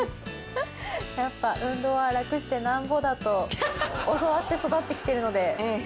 やっぱ運動はラクしてなんぼだと教わって育ってきてるので。